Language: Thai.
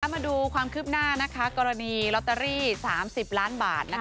มาดูความคืบหน้ากรณีลอตเตอรี่๓๐ล้านบาท